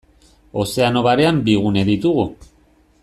Ozeano Barean bi gune ditugu.